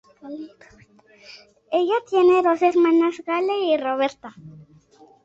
Ella tiene dos hermanas: Gale y Roberta.